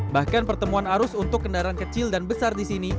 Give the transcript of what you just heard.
bahkan pertemuan arus untuk kendaraan kecil dan besar di sini